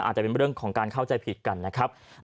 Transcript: อาจจะเป็นเรื่องของการเข้าใจผิดกันนะครับ